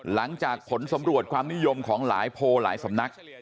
หลังจากผลสำรวจความนิยมของหลายโพลหลายสำนัก